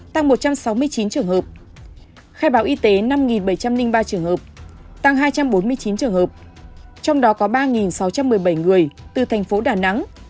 tăng một trăm sáu mươi chín trường hợp khai báo y tế năm bảy trăm linh ba trường hợp tăng hai trăm bốn mươi chín trường hợp trong đó có ba sáu trăm một mươi bảy người từ thành phố đà nẵng